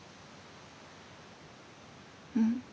うん。